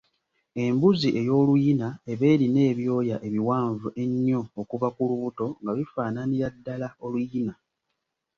Embuzi ey'oluyina eba erina ebyoya ebiwanvu ennyo okuva ku lubuto nga bifaananira ddala oluyina.